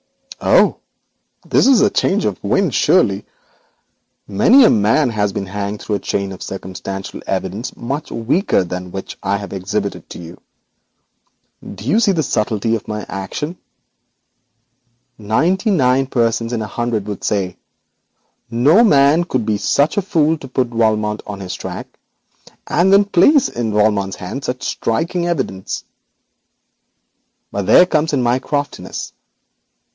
'Oho, this is a change of wind, surely. Many a man has been hanged on a chain of circumstantial evidence much weaker than this which I have exhibited to you. Don't you see the subtlety of my action? Ninety nine persons in a hundred would say: "No man could be such a fool as to put Valmont on his own track, and then place in Valmont's hands such striking evidence." But there comes in my craftiness.